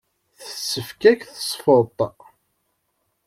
Tessefk-ak tesfeḍt.